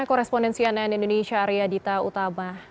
koresponden cnn indonesia arya dita utaba